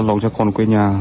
rất lo lắng cho con quê nhà